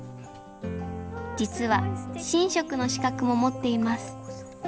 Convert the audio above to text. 実は神職の資格も持っています。